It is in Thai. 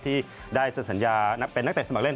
ที่ได้เซ็นสัญญาเป็นนักเตะสมัครเล่น